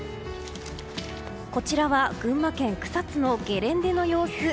こちらは群馬県草津のゲレンデの様子。